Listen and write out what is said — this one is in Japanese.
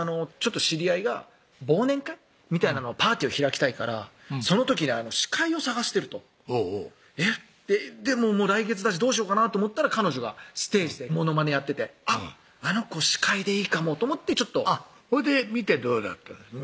知り合いが忘年会みたいなのをパーティーを開きたいからその時に司会を探してるとえっでも来月だしどうしようかなと思ったら彼女がステージでモノマネやっててあっあの子司会でいいかもと思ってちょっと見てどうだったんですか？